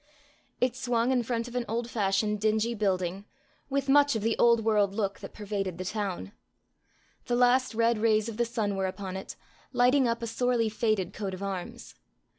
It swung in front of an old fashioned, dingy building, with much of the old world look that pervaded the town. The last red rays of the sun were upon it, lighting up a sorely faded coat of arms.